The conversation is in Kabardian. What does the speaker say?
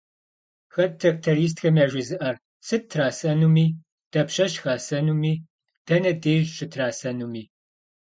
Хэт трактористхэм яжезыӏэр сыт трасэнуми, дапщэщ хасэнуми, дэнэ деж щытрасэнуми?